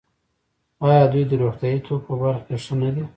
آیا دوی د روغتیايي توکو په برخه کې ښه نه دي؟